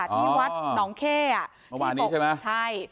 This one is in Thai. ที่วัดหนองเข้อ่ะเมื่อวานนี้ใช่ไหมใช่